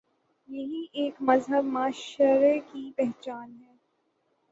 یہی ایک مہذب معاشرے کی پہچان ہے۔